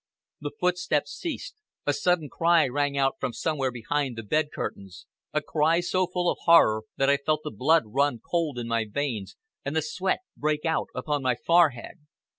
The footsteps ceased, a sudden cry rang out from somewhere behind the bed curtains, a cry so full of horror, that I felt the blood run cold in my veins, and the sweat break out upon my forehead.